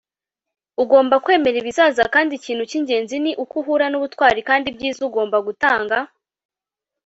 ugomba kwemera ibizaza kandi ikintu cy'ingenzi ni uko uhura n'ubutwari kandi ibyiza ugomba gutanga